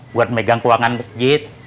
buat megang keuangan masjid